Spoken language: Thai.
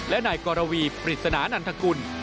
และนายกรวีปริศนานันทกุล